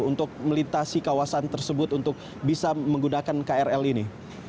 untuk melintasi kawasan tersebut untuk bisa menggunakan krl ini